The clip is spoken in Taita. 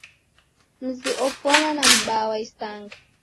Mzuri opwana na m'baa wa isanga.